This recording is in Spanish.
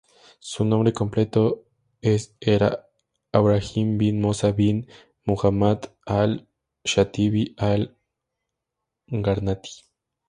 Su nombre completo es era "Ibrahim bin Mosa bin Muhammad al-Shatibi al-Gharnati".